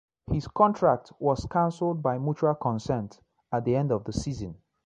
His contract was cancelled by mutual consent at the end of the season.